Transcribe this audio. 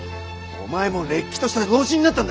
お前もれっきとした同心になったんだ！